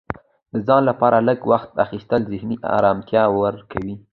د ځان لپاره لږ وخت اخیستل ذهني ارامتیا ورکوي.